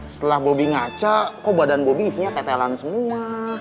setelah bobby ngaca kok badan bobby isinya ketelan semua